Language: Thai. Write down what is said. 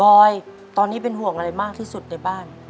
อยตอนนี้เป็นห่วงอะไรมากที่สุดในบ้าน